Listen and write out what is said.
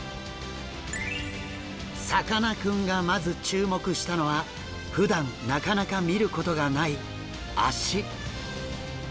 さかなクンがまず注目したのはふだんなかなか見ることがない脚。